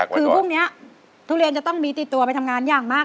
คือพรุ่งนี้ทุเรียนจะต้องมีติดตัวไปทำงานอย่างมาก